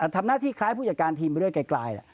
ทำหน้าที่คล้ายผู้จัดการทีมไปเรื่อยแล้ว